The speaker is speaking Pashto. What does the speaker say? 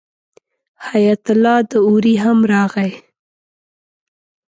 حیات الله داوري هم راغی.